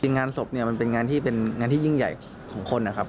จริงงานสอบมันเป็นงานที่ยิ่งใหญ่ของคนนะครับ